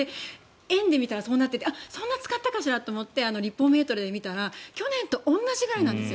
円で見たらそうなっていてそんな使ったかと思って立方メートルを見たら去年と同じくらいなんです。